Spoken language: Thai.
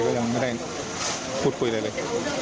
ก็ยังไม่ได้พูดคุยอะไรเลย